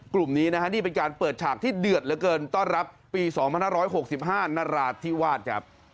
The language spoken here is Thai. กลุ่มนี้นะฮะนี่เป็นการเปิดฉากที่เดือดเหลือเกินต้อนรับปี๒๕๖๕นราธิวาสครับ